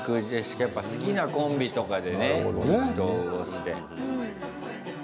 やっぱ、好きなコンビとかでね意気投合して。